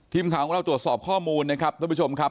ทีมข่าวของเราตรวจสอบข้อมูลนะครับท่านผู้ชมครับ